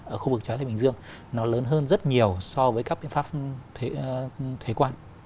ở khu vực chòa thái bình dương nó lớn hơn rất nhiều so với các biện pháp thuế quan